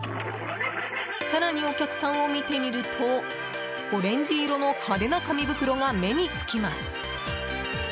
更に、お客さんを見てみるとオレンジ色の派手な紙袋が目に付きます。